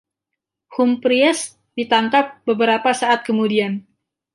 Humpries ditangkap beberapa saat kemudian.